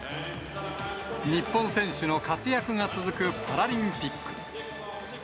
日本選手の活躍が続くパラリンピック。